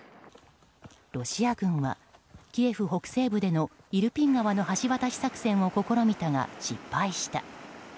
ロシア軍はキエフ北西部でのイルピン川の橋渡し作戦を試みたが失敗した。